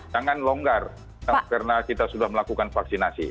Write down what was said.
jangan longgar karena kita sudah melakukan vaksinasi